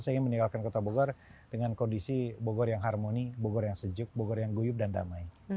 saya ingin meninggalkan kota bogor dengan kondisi bogor yang harmoni bogor yang sejuk bogor yang guyup dan damai